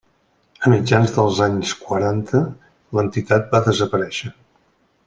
A mitjans dels anys quaranta, l'entitat va desaparèixer.